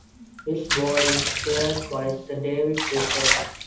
Its board is chaired by Sir David Pepper.